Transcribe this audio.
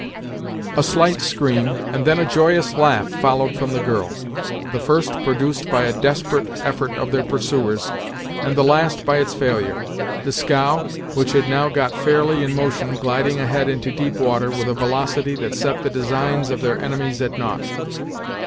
A slight scream, and then a joyous laugh followed from the girl; the first produced by a desperate effort of their pursuers, and the last by its failure; the scow, which had now got fairly in motion gliding ahead into deep water, with a velocity that set the designs of their enemies at nought.